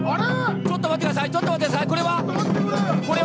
ちょっと待ってください、これは？